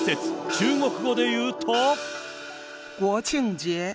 中国語でいうと。